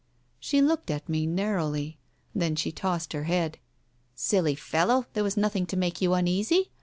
She looked at me narrowly. Then she tossed her head. "Silly fellow, there was nothing to make you uneasy.